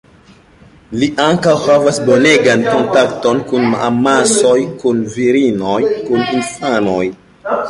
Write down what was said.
Li ankaŭ havas bonegan kontakton kun amasoj, kun virinoj, kun infanoj.